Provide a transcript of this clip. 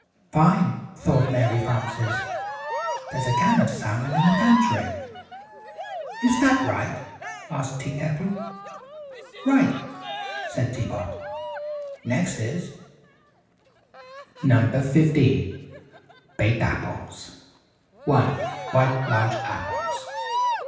("Fine!" thought Mary Frances. "There's a can of salmon in the pantry.") "Is that right?" asked Tea Kettle. "Right," said Tea Pot. "Next is NO. 15. BAKED APPLES. 1. Wipe large apples.